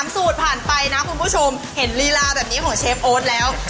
สูตรผ่านไปนะคุณผู้ชมเห็นลีลาแบบนี้ของเชฟโอ๊ตแล้ว